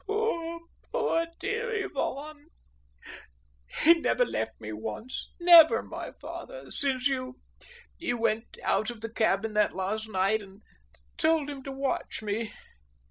"Poor, poor, dear Ivan; he never left me once, never, my father, since you you went out of the cabin that last night and told him to watch me!"